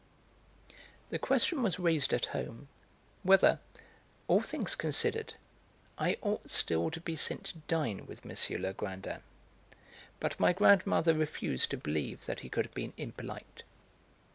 The question was raised at home whether, all things considered, I ought still to be sent to dine with M. Legrandin. But my grandmother refused to believe that he could have been impolite.